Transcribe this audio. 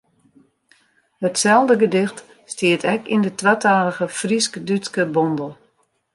Itselde gedicht stiet ek yn de twatalige Frysk-Dútske bondel.